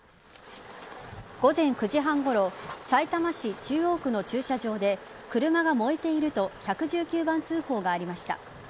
午前９時半ごろさいたま市中央区の駐車場で車が燃えていると１１９番通報がありました。